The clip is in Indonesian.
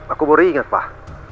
aku baru ingat pak